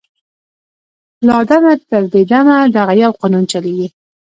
« له آدمه تر دې دمه دغه یو قانون چلیږي